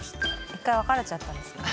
１回別れちゃったんですかね。